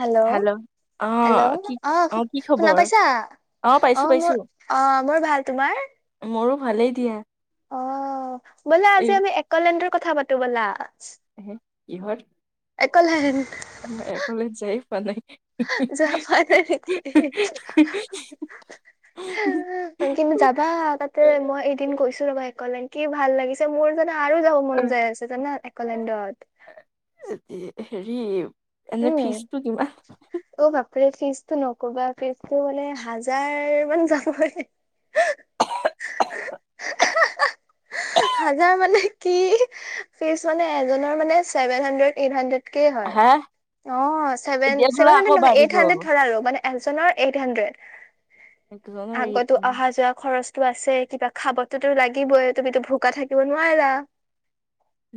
Hello hello অ hello কি অঁ' অ কি শুনা খবৰ পাইছা? অ পাইছো অঁ পাইছো মোৰ অঁ মোৰ ভাল, তোমাৰ? মোৰো ভালেই দিয়া। অ ব'লা এই আজি আমি একলেণ্ডৰ কথা পাতো ব'লা। হে কিহৰ? এক'লেণ্ড। মই এক'লেন্ড যায়ে পোৱা নাই। যাই পোৱা নাই নেকি। কিন্তু, যাবা তাতে মই এদিন গৈছো ৰবা। এক'লেণ্ড কি ভাল লাগিছে মোৰ জানা আৰু যাব মন যায় আছে জানা একলেণ্ডত। এ এ হেৰি এনেই উম ফিজটো কিমান? অ বাপৰে ফিজটো নকবা ফিজটো মানে হাজাৰ মান যাবই। হাঁ হাঁ। হাজাৰ মানে কি ফিজ মানে এজনৰ মানে ছেভেন হানড্ৰেড এইট হানড্ৰেড। কেই হয়। হা অঁ ছেভেন এতিয়া বোলে ছেভেন আকৌ হানড্ৰেড নহয় বাঢ়িব এইট হানড্ৰেড ধৰা আৰু মানে এজননৰ এইট হানড্ৰেড। একজনৰ এই আকতো অহা যোৱা খৰচ- টো আছেই কিবা খাবতোটো লাগিবই তুমিতো ভোকা থাকিব নোৱাৰা।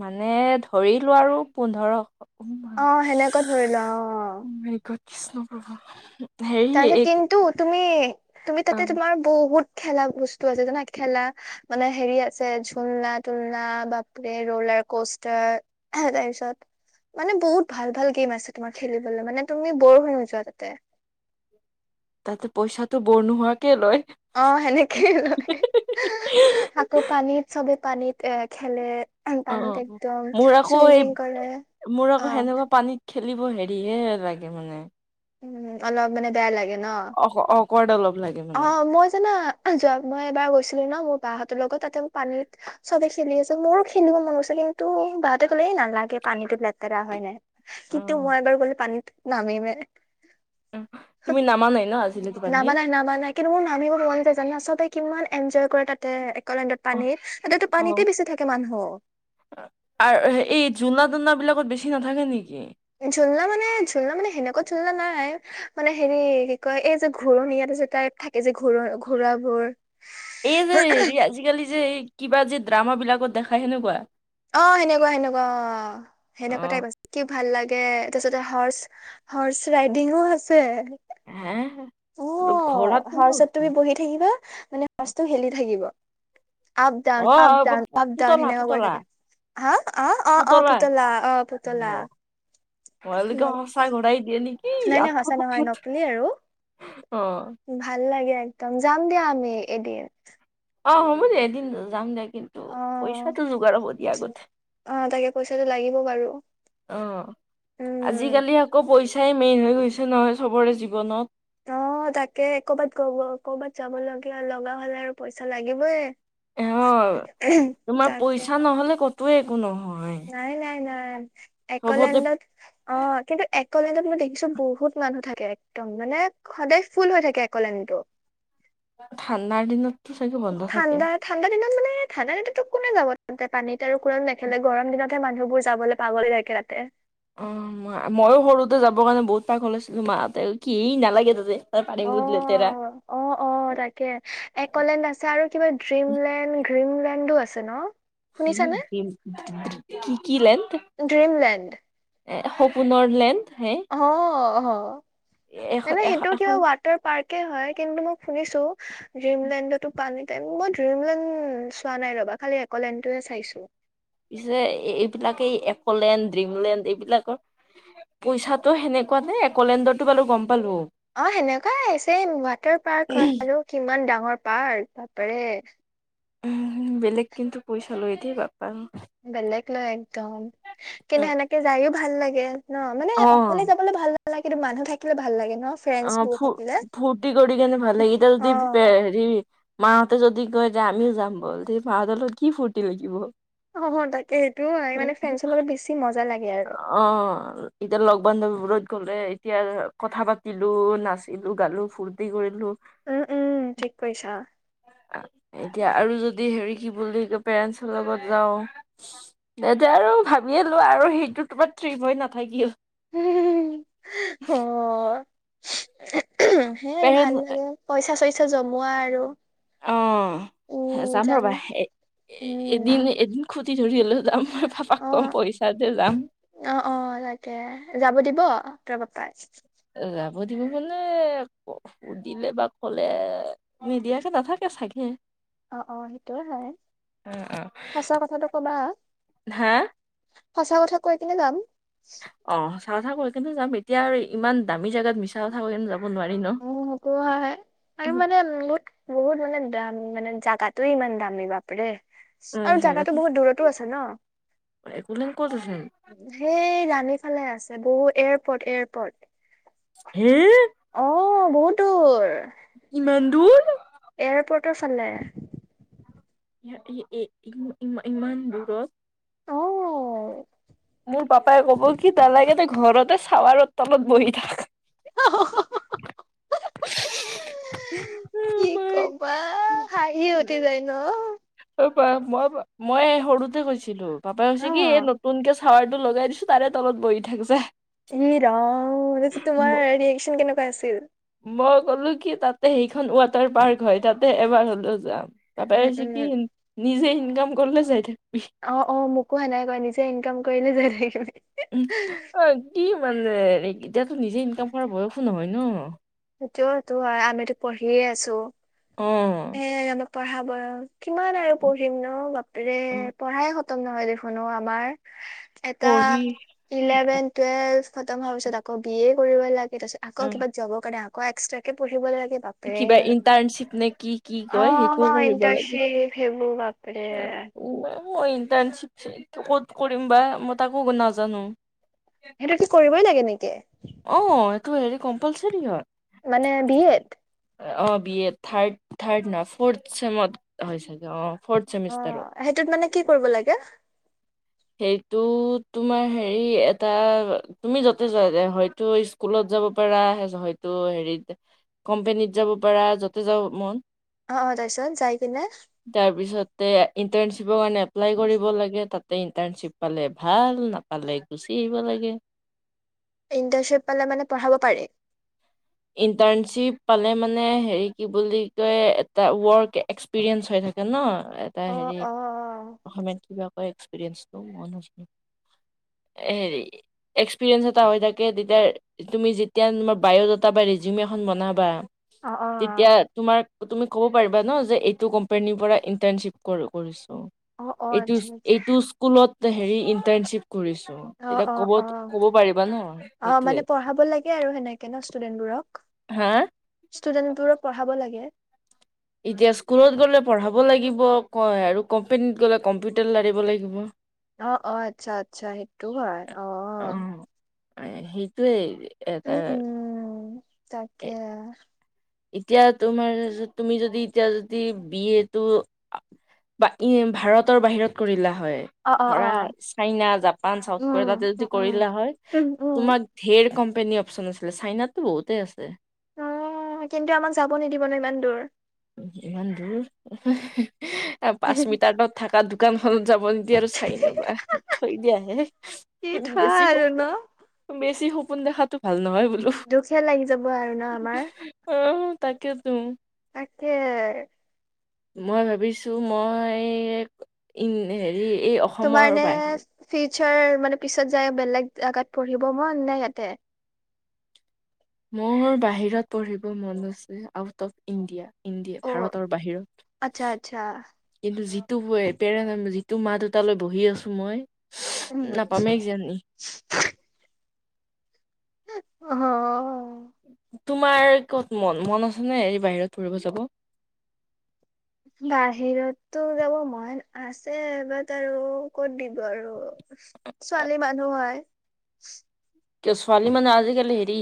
মানে ধৰিলো আৰু পোন্ধৰশ উম। অঁ অঁ হেনেকুৱা ধৰি লোৱা অঁ' উম' গড কৃষ্ণ প্ৰভু। হেৰি তাপিছত এই কিন্তু তুমি তুমি তাতে তোমাৰ বহুত খেলা বস্তু আছে জানা খেলা- মানে হেৰি আছে ঝুলনা তুলনা বাপৰে ৰোলাৰ কষ্টাৰ। হেঁ তাপিছত- মানে বহুত ভাল ভাল গেম আছে তোমাৰ খেলিবলে মানে তুমি ব'ৰ হৈ নোযোৱা তাতে। তাতে পইচাটো ব'ৰ নোহোৱাকে লয়। অঁ, সেনেকেই লয়, আকৌ পানীত চবে পানীত এ খেলে- অ পানীত অ' একদম মোৰ আকৌ এই চুইমিং কৰে মোৰ অ আকৌ সেনেকুৱা পানীত- খেলিব হেৰি হে লাগে মানে। উম' অলপ মানে বেয়া লাগে ন। অক অকৰদ অলপ লাগে। মানে। অঁ' মই জানা যোৱা মই এবাৰ গৈছিলো ন, মোৰ বাহঁতৰ লগত তাতে মোক পানীত- চবে খেলি আছে মোৰো খেলিব মন গৈছে, কিন্তু বাহতে কলে নালাগে পানীটো লেতেৰা হয় ইমান। কিন্তু, অ', মই এবাৰ গ'লে পানীত নামিমে। উম' তুমি নামা নাই ন আজিলৈকে নামা পানীত। নাই নামা নাই কিন্তু মোৰ নামিব নোৱাৰোঁ যে জনা, ছবে কিমান এনজয় কৰে তাতে একলেণ্ডত। অ', পানীৰ সিহঁতেতো অ'। পানীতে বেছি থাকে মানুহৰ। আৰু হেৰি জোলনা-তুলনা বিলাকত বেছি নাথাকে নেকি? ঝুলনা মানে ঝুলনা মানে সেনেকুৱা ঝুলনা নাই, মানে হেৰি কি কয় এই যে ঘূৰণিয়া নিচিনা টাইপ থাকে এই যে ঘো- ঘোৰাবোৰ। এই যে হেৰি আজিকালি যে কিবা যে ড্ৰামা, বিলাকত দেখাই সেনেকুৱা? অ সেনেকুৱা সেনেকুৱা অ সেনেকুৱা অ', টাইপ আছে। কি ভাল লাগে তাৰপিছতে হৰ্চ হৰ্চ ৰাইডিংও আছে। হে অ ঘোঁৰাত কোনে হৰ্চত তুমি উঠিব বহি থাকিবা মানে হৰ্চটো হিলি থাকিব আপ ডান, আপ অ', ডান, আপ ডান পুতলা সেনেকোৱা কৰি পুতলা থাকে। হা', অ', অ', অ', পুতলা অ', পুতলা। হয় মোবাইল দিয়ে নে নাই নাই সঁচা নহয় নকলি আৰু। অ'। ভাল লাগে একদম যাম দিয়া আমি এদিন। অ', হ'ব দে এদিন যাম দে। কিন্তু অ পইচাটো যোগাৰ হ'ব দিয়া আগতে। অ তাকে পইচাটো লাগিব বাৰু অ', উম আজিকালি আকৌ পইচাই মেইন হৈ গৈছে নহয় চবৰে জীৱনত। অ', তাকে কৰ'বাত গ- গ- কৰ'বাত যাব লগীয়া লগা হলে আৰু পইচা লাগিবয়। অ', তোমাৰ পইচা নহ'লে কতোৱে একো নহয়। নাই নাই চবতে একলেণ্ডত। অ', কিন্তু একলেণ্ডত মই দেখিছো বহুত মানুহ থাকে একদম মানে। সদায় ফুল হৈ থাকে একলেণ্ডতো। ঠাণ্ডাৰ দিনততো চাগে বন্ধ ঠাণ্ডা থাকে। ঠাণ্ডা দিনতোত মানে ঠাণ্ডা দিনতোত কোনে যাব, তাতে পানীত আৰু কোনো নেখেলে গৰম দিনত। তাতে মানুহ বোৰ যাবলৈ পাগল হৈ থাকে তাতে। অ', মইও সৰুতে যাবৰ কাৰণে বহুত পাগল হৈছিলোঁ, মা হতে কি নালাগে তাতে তাৰ পানী অ', বহুত লেতেৰা। অ', অ', তাকে একলেণ্ড আছে আৰু কিবা ড্ৰিমলেণ্ড গ্ৰীমলেণ্ডো আছে ন। শুনিছানে? কি- কি- লেড। ড্ৰ্ৰীমলণ্ড। এ', সপোনৰ লেণ্ড হে। অ', এ অ', তেনে সেইটোৰ কিবা এখন ৱাট। ওৱাতৰ পাৰ্ক হয় কিন্তু মই শুনিছো। ড্ৰিমলেণ্ডতো পানী মই ড্ৰিমলেণ্ড চোৱা নাই ৰবা খালি একলেণ্ডতো চাইছো। পিছে এইবিলাকেই একলেণ্ড ড্ৰিমলেণ্ড এইবিলাকৰ। পইচাটো সেনেকুৱা নে একলেণ্ডৰটো বাৰু গম পালো। অ', সেনেকুৱাই ছেম ৱাটাৰ পাৰ্ক হয় আৰু কিমান ডাঙৰ পাৰ্ক বাপৰে। উম', বেলেগ কিন্তু পইচা লৈ দেই বাপা অই। বেলেগ লয় একদম কিন্তু সেনেলে যায়ও ভাল লাগে। ন মানে অ অকলে যাবলৈ ভাল নালাগে, কিন্তু মানুহ থাকিলে ভাল লাগে ন। ফ্ৰেণ্ডছ অ', বোৰ ফু- থাকিলে। ফুটি কৰি কেনে ভাল লাগে এতিয়া অ যদি বে- হেৰি। মাহঁতে যদি কয় যে আমিও যাম বলি তে মাহঁত লগত কি ফুৰ্তি লাগিব। অ তাকে সেইটোো মানে ফ্ৰেঞ্চৰ লগত বেছি মজা লাগে আৰু। অ। এতিয়া লগ-বান্ধৱীবোৰত গ'লে এতিয়া কথা পাতিলো, নাচিলো, গালো, ফূৰ্তি কৰিলো। উম-উম ঠিক কৈছা। এতিয়া আৰু যদি হেৰি কি বুলি কয় বুলি পেৰেণ্টছৰ লগত যাওঁ। এতিয়া আৰু ভাবিয় লো আৰু সেইটো তোমাত তিপ হয় নাথাকিও। হুম-হুম-হুম, অহ', সেইয়াই আৰু ভাল পেৰেন্ট লাগে। পইচা-চইচা জমোৱা আৰু। অঁ', - যাম ৰ'বা, এ' উম এদিন-এদিন খুটি ধৰি হ'লেও যাম, মই পাপাক কম পইচা দে যাম। অঁহ', -অঁহ', -তাকে। যাব দিব তোমাৰ পাপই? এই যাব দিব মানে- সুধিলে বা ক'লে নিদিয়াকে নাথাকে চাগে। অঁহ', -অঁহ', - সেইটোয়ে হয়, অ' অ' সঁচা কথাটো কবা। হা সঁচা কথা কৈ কেনে যাম। অঁহ', - সঁচা কথা কৈ কিনে যাম। এতিয়া আৰু ইমান দামী জেগাত মিছা কথা কৈ কিনে যাব- নোৱাৰি ন। উমঁ, সেইটো হয়-হয়, আৰু আমি মানে বহুত-বহুত মানে দাম মানে জাগাটোয়ে ইমান দামী বাপ ৰে। আৰু জাগাটো বহুত দূৰতো আছে ন। একলেন ক'ত আছে সেই ৰাণী ফালে আছে বহুত এয়াৰপৰ্ট-এয়াৰপৰ্ট। সেই। অঁ' বহুত দূৰ। ইমান দূৰ। এয়াৰপৰ্টৰ ফালে। এই, এই ইমান দূৰত। অঁহ। মোৰ পাপাই কব কি নালাগে তই ঘৰতে চাৱাৰৰ তলত বহি থাক। [inaudible] কি কবা হাঁহিয়ে উঠি যায় ন। এবাৰ মই, মই সৰুতে কৈছিলো, পাপাই কৈছে কি এই ই নতুনকে- চাৱাৰটো লগাই দিছো তাৰে তলত বহি থাক যা। ই ৰাম, তোমাৰ ৰিয়েকচন কেনেকুৱা আছিল? মই ক'লো কি তা'তে সেইখন ৱাটাৰ পাৰ্ক হয়, তা'তে এবাৰ হ'লেও যাম। উম উম কি নিজে ইনকাম কৰিলে যাই থাকিবি। অঁ', -অঁ', -মোকো সেনেই কয়, নিজে ইনকাম কৰিলে যাই থাকিবি কয়। উম, অ' কি মানে এতিয়াটো নিজে ইনকাম কৰা বয়সো নহয় ন। সেইটোও-সেইটোও হয়, আমিতো পঢ়িয়ে আছো। অঁহ। এ' আমাৰ পঢ়া বয়স, কিমান আৰু পঢ়িম ন' বাপেৰে অ পঢ়াই- খতম নহয় দেখোন অ আমাৰ। এটা পঢ়ি এলেভেন টুৱেলভ খতম হোৱাৰ পিছত আকৌ বি এ কৰিব লাগে তাৰ পিছত অ আকৌ কিবা জবৰ কাৰণে আকৌ- এক্সট্ৰাকে পঢ়িব লাগে। বাপৰে কিবা ইন্টাৰ্নিচিপ নে কি- কি কয় সেইটোও অ কৰিব লাগে। ইণ্টাৰ্ণশ্বিপ সেইবোৰ বাপৰে মই ইন্টাৰ্নিচিপ ক'ত কৰিম বা মই তাকো নাজানো। সেইটো কি কৰিবই লাগে নেকি? অ এইটো হেৰি কম্পালচৰি হয়। মানে বিএত। অ বি এ থাৰ্ড থাৰ্ড ন ফ'ৰ্থ চেমত হৈ চাগে অ ফ'ৰ্থ অ চেমিষ্টাৰত। সেইটোত মানে কি কৰিব লাগে। সেইটো তোমাৰ হেৰি এটা তুমি যতে হয়তো স্কুলত যাব পাৰা হয়তো হেৰিত কোম্পেনীত যাব পাৰা য'তে যাব মন অ তাপিছত যাই কিনে তাৰ পিছতে ইণ্টাৰ্ণশ্বিপৰ কাৰণে এপ্লাই কৰিব লাগে তাত ত ইণ্টাৰ্ণশ্বিপ পালে ভাল নাপালে গুচি আহিব লাগে ইণ্টাৰ্শ্বিপ পালে মানে পঢ়াব পাৰি ইণ্টাৰ্ণশ্বিপ পালে মানে হে কি বুলি কয় এটা ৱৰ্ক এক্স এক্সপিৰিয়েঞ্চ হৈ থাকে ন এটা অ হেৰি অ অসমীয়াত কিবা কয় এক্সপিৰিয়েঞ্চটো মই নাজানো [inaudible] হেৰি এক্সপিৰিয়েঞ্চ এটা হৈ থাকে তেতিয়া তুমি যেতিয়া তোমাৰ বায় তাপা ৰেজিউম এখন বনাবা। অ অ। এতিয়া তোমাৰ তুমি ক'ব পাৰিবা ন যে এইটো কোম্পানীৰ পৰা ইন্টাৰ্নশ্বিপ কৰিছো অ অ এইটো আচ্ছা আচ্ছা এইটো স্কুলত হেৰি ইন্টাৰ্নশ্বিপ কৰিছো অ তেতিয়া অ কব অ ক'ব পাৰিবা ন অ মানে সেইটোৱে পঢ়াব লাগে স আৰু সেনেকে ন ষ্টুডেন্ট বোৰক হা ষ্টুডেন্টবোৰক পঢ়াব লাগে এতিয়া স্কুলত গ'লে পঢ়াব লাগিব ক আৰু কোম্পেনীত গ'লে কম্পিউটাৰ লাৰিব লাগিব অ অ আচ্ছা আচ্ছা সেইটো হয় অ সেইটোৱেই এটা উম, উম। তাকে এতিয়া তোমাৰ তুমি যদি এতিয়া যদি বি এ টো বা ভাৰতৰ বাহিৰত কৰিলা হয় অ', অ', ধৰা অ', চাইনা জাপান চাউথ উম, কোৰিয়াতে উম, যদি উম। কৰিলো হয় উম, উম, তোমাক ঢেৰ কোম্পেনী অপচন আছিলে চাইনাতো বহুতেই আছে অ', কিন্তু আমাক যাব নিদিব ন ইমান দূৰ ইমান দূৰ পাঁচ মিটাৰ তত থকা দোকানখনত যাব নকি আৰু চাইনবা থৈ কি দিয়াহে থোৱা বেছি আৰু হ ন বেছি সপোন দেখাতো ভাল নহয় ব দুখে লাগি যাব আৰু ন আমাৰ অ তাকে ত তাকে মই ভাবিছো মই হেৰি এই তোমাৰ অসমৰ নে বাহিৰত ফিউচাৰ মানে পিছত যায় বেলেগ জেগাত পঢ়িব মন নে ইয়াতে মোৰ বাহিৰত পঢ়িব মন আছে আউট অফ ইণ্ডিয়া ইণ্ডিয়া অ', ভাৰতৰ বাহিৰত আচ্ছা আচ্ছা কিন্তু যিটো পেৰে যিটো মা দুটালৈ বহি আছো মই উম, নাপামে কিজানি। অঁ। তোমাৰ ক'ত মন মন আছে নে হেৰি বাহিৰত ফুৰিব যাব? বাহিৰততো যাব মন আছে বাট আৰু ক'ত দিব আৰু। ছোৱালী মানুহ হয়। কিয় ছোৱালী মানে আজিকালি হেৰি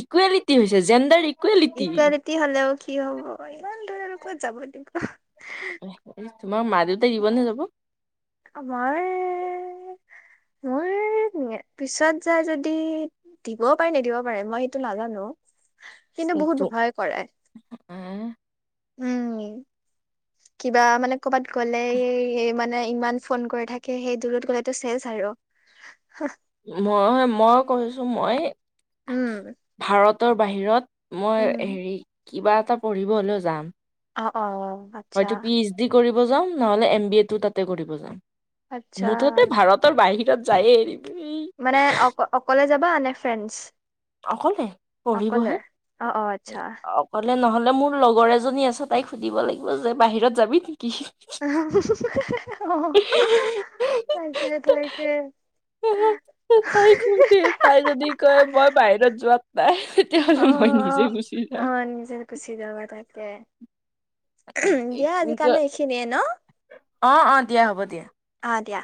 ইকুৱেলিটি হৈছে জেণ্ডাৰ ইকুৱেলিটি হলেও কি হব ইমান দূৰ আৰু কত যাব দিব। তোমাৰ মা দেউতাই দিব নে যাব? আমাৰ মইয়ে পিছত যায় যদি দিবও পাৰে নিদিব পাৰে মই সেইটো নাজানো। কিন্তু বহুত ভয় কৰে। উম কিবা মানে কৰ'বাত গ'লে মানে ইমান। ফোন কৰি থাকে সেই দূৰত গ'লেতো চেচ আৰু হা। মই মই কৈছো মই উম ভাৰতৰ বাহিৰত। মই উম হেৰি কিবা এটা পঢ়িব হ'লেও যাম। অঁ'অঁ'অঁ' হয়তো পি এইচ ডি কৰিব যাওঁ নহলে এম বি এটো তাতে কৰিব যাওঁ আচ্ছা মুঠতে ভাৰত তৰ বাহিৰত যায়েই এৰিম। এই মানে অ অকলে যাবা নে ফ্ৰেণ্ডছ? অকলে অকলে পঢ়িবহে। অ অ আচ্ছা কলে নহলে মোৰ লগৰ এজনী আছে তাইক সুধিব লাগিব যে বাহিৰত যাবি নেকি? [unintelligible] তাকে তাকে। তাইক সুধি তাই যদি কয় মই বাহিৰত যোৱাত নাই অ তেতিয়াহলে মই নিজে গুচি অ যাম। নিজে গুচি যাম থাকে দিয়া আজিকালে এইখিনিয়ে ন। অঁ'অঁ' দিয়া হ'ব দিয়া। অঁ' দিয়া।